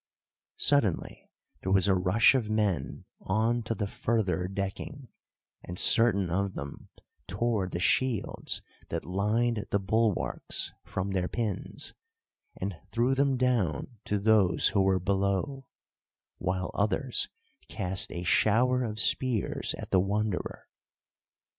Suddenly there was a rush of men on to the further decking, and certain of them tore the shields that lined the bulwarks from their pins, and threw them down to those who were below, while others cast a shower of spears at the Wanderer.